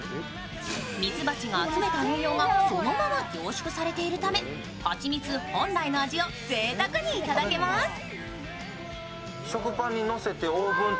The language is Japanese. みつばちが集めた栄養がそのまま凝縮されているため蜂蜜本来の味をぜいたくにいただけます。